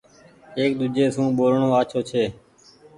ايڪ ۮوجهي سون ٻولڻو آڇو ڇي۔